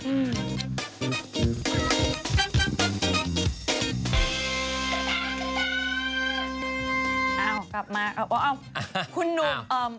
เอ้ากลับมาเอ่อคุณหนุ่ม